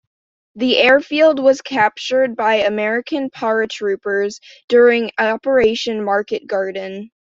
The airfield was captured by American paratroopers during Operation Market Garden.